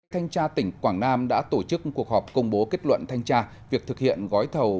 thanh tra tỉnh quảng nam đã tổ chức cuộc họp công bố kết luận thanh tra việc thực hiện gói thầu